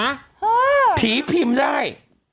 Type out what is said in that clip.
ห้าาาาาผีปิมได้